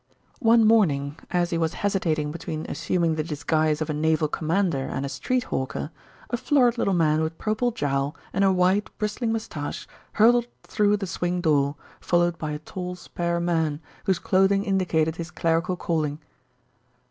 One morning, as he was hesitating between assuming the disguise of a naval commander and a street hawker, a florid little man with purple jowl and a white, bristling moustache hurtled through the swing door, followed by a tall, spare man, whose clothing indicated his clerical calling.